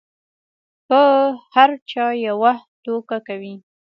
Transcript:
په هر چا یوه ټوکه کوي.